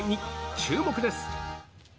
注目です。